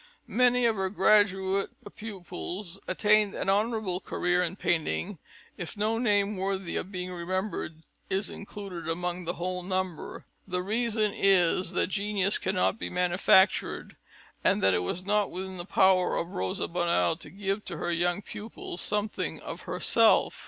Many of her graduate pupils attained an honourable career in painting, and if no name worthy of being remembered is included among the whole number, the reason is that genius cannot be manufactured and that it was not within the power of Rosa Bonheur to give to her young pupils something of herself.